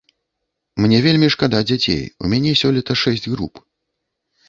Мне вельмі шкада дзяцей, у мяне сёлета шэсць груп.